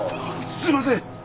すいません！